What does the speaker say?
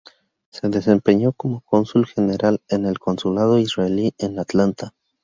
Se desempeñó como Cónsul General en el Consulado Israelí en Atlanta.